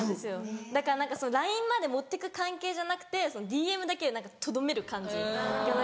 だからＬＩＮＥまで持ってく関係じゃなくてＤＭだけでとどめる感じが。